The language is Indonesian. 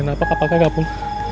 napak apakah gak pun